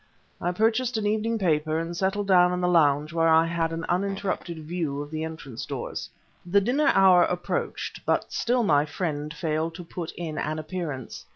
I purchased an evening paper and settled down in the lounge where I had an uninterrupted view of the entrance doors. The dinner hour approached, but still my friend failed to put in an appearance.